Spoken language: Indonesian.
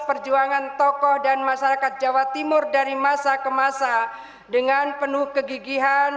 perjuangan tokoh dan masyarakat jawa timur dari masa ke masa dengan penuh kegigihan